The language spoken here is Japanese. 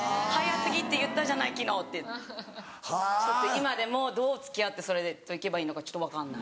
今でもどう付き合ってそれといけばいいのかちょっと分かんない。